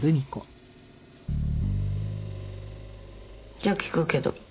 じゃあ聞くけど。